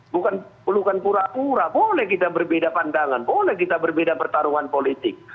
bukan pelukan pura pura boleh kita berbeda pandangan boleh kita berbeda pertarungan politik